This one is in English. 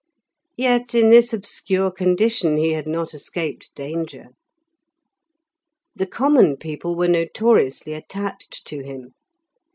Yet in this obscure condition he had not escaped danger. The common people were notoriously attached to him.